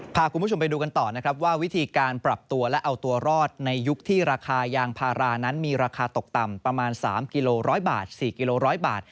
พาคุณผู้ชมไปดูกันต่อนะครับว่าวิธีการปรับตัวและเอาตัวรอดในยุคที่ราคายางพารานั้นมีราคาตกต่ำประมาณ๓กิโล๑๐๐บาท๔กิโล๑๐๐บาท